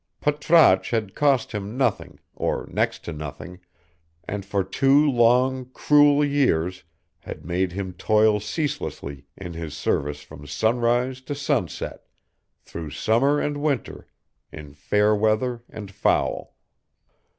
Patrasche had cost him nothing, or next to nothing, and for two long, cruel years had made him toil ceaselessly in his service from sunrise to sunset, through summer and winter, in fair weather and foul.